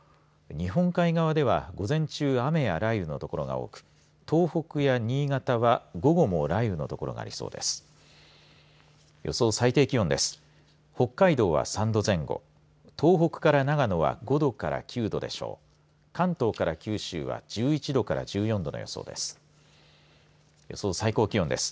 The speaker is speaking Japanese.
日本海側では午前中雨や雷雨の所が多く東北や新潟は、午後も雷雨の所がありそうです。